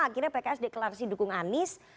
akhirnya pks deklarasi dukung anies